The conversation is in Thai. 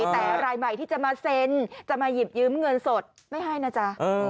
แต่รายใหม่ที่จะมาเซ็นจะมาหยิบยืมเงินสดไม่ให้นะจ๊ะ